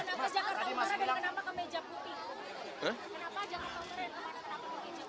kenapa jakarta utara dan kenapa kemeja putih